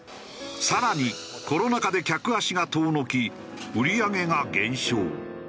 更にコロナ禍で客足が遠のき売り上げが減少。